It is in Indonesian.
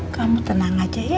kamu tenang aja ya